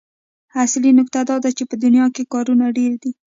اصلي نکته دا ده چې په دنيا کې کارونه ډېر دي.